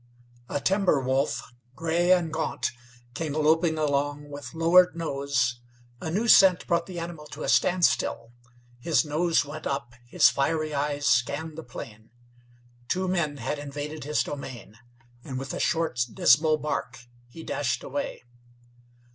A timber wolf, gray and gaunt, came loping along with lowered nose. A new scent brought the animal to a standstill. His nose went up, his fiery eyes scanned the plain. Two men had invaded his domain, and, with a short, dismal bark, he dashed away.